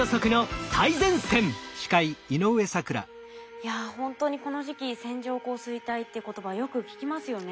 いやほんとにこの時期線状降水帯って言葉よく聞きますよね。